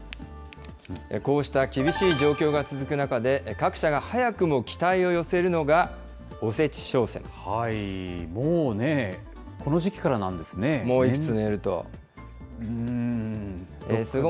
こうした厳しい状況が続く中で、各社が早くも期待を寄せるのが、もうね、この時期からなんですね。